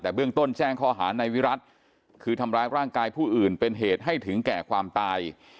แต่เบื้องต้นแจ้งข้อหาในวิรัติคือทำร้ายร่างกายผู้อื่นเป็นเหตุให้ถึงแก่ความตาย